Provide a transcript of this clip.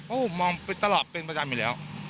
เพราะผมมองไปตลอดเป็นประจำอยู่แล้ว